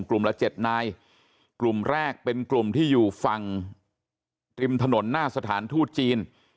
ละ๗นายกลุ่มแรกเป็นกลุ่มที่อยู่ฝั่งริมถนนหน้าสถานทูตจีน